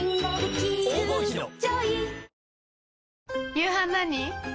夕飯何？